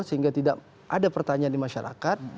sehingga tidak ada pertanyaan di masyarakat